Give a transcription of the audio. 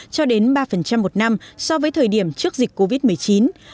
cho đến mức giảm từ hai năm cho đến mức giảm từ hai năm cho đến mức giảm từ hai năm